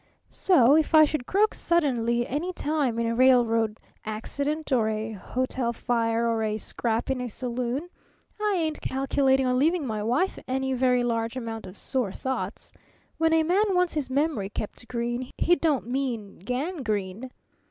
So if I should croak sudden any time in a railroad accident or a hotel fire or a scrap in a saloon, I ain't calculating on leaving my wife any very large amount of 'sore thoughts.' When a man wants his memory kept green, he don't mean gangrene!